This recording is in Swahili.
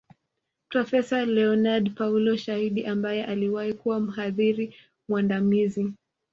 Profesa Leonard Paulo Shaidi ambaye aliwahi kuwa mhadhiri mwandamizi